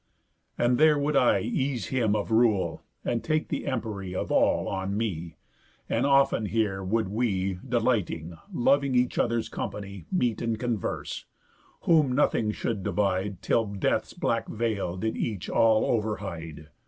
And there would I Ease him of rule, and take the empery Of all on me. And often here would we, Delighting, loving either's company, Meet and converse; whom nothing should divide, Till death's black veil did each all over hide.